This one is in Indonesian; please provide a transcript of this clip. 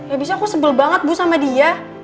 ya bisa aku sebel banget bu sama dia